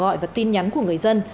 gọi và tin nhắn của người dân